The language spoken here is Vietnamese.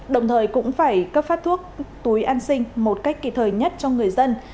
đồng thời cũng phải cấp phát thuốc túi an sinh một cách kịp thời nhất cho người dân